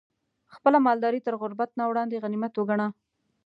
خپله مالداري تر غربت نه وړاندې غنيمت وګڼه